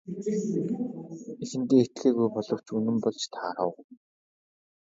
Эхэндээ итгээгүй боловч үнэн болж таарав.